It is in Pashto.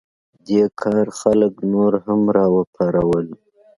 دې کار خلک نور هم راوپارول.